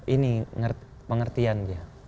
ini pengertian dia